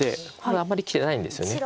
あんまり利いてないんですよね。